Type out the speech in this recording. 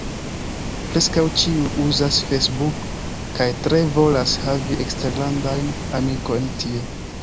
Preskaŭ ĉiuj uzas Facebook, kaj tre volas havi eksterlandajn amikojn tie.